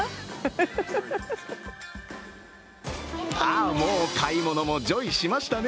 あ、もう、買い物もジョイしましたね。